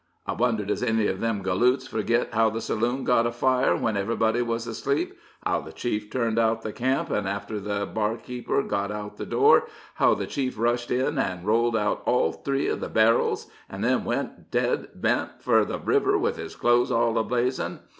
"I wonder does any of them galoots forgit how the saloon got a fire when ev'rybody was asleep how the chief turned out the camp, and after the barkeeper got out the door, how the chief rushed in an' rolled out all three of the barrels, and then went dead bent fur the river with his clothes all a blazin'?